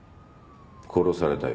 殺されたよ。